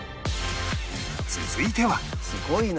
続いては